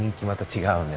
違うね。